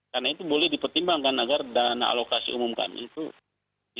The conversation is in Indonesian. karena itu boleh dipertimbangkan agar dan alokasi umum kami itu